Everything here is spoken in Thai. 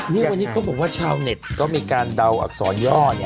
นี่วันนี้เขาบอกว่าชาวเน็ตก็มีการเดาอักษรย่อ